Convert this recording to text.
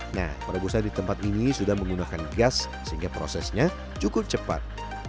nah perebusan di tempat ini sudah menggunakan gas sehingga prosesnya cukup cepat